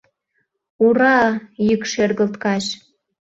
«Ура-а!» йӱк шергылт кайыш.